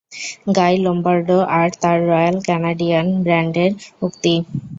গাই Lombardo আর তার royal Canadian ব্যান্ডের উক্তি।